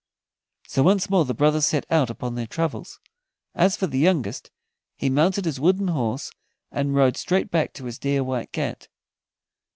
So once more the brothers set out upon their travels. As for the youngest, he mounted his wooden horse and rode straight back to his dear White Cat.